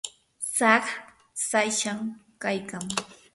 saqsashqam kaykaa.